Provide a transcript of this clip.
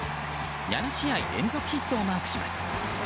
７試合連続ヒットをマークします。